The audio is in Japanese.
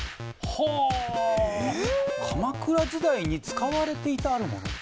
ほう鎌倉時代に使われていたある物。